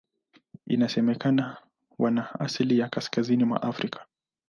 Inasemekana wana asili ya Kaskazini mwa Afrika.